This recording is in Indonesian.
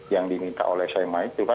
yang diminta oleh sema itu kan